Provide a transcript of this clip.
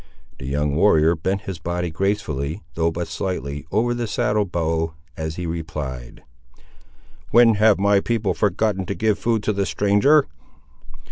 The young warrior bent his body gracefully, though but slightly, over the saddle bow, as he replied— "When have my people forgotten to give food to the stranger?"